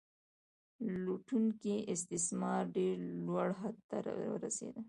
لوټونکی استثمار ډیر لوړ حد ته ورسید.